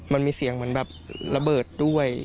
มันมีเสียงเหมือนแบบระเบิดด้วย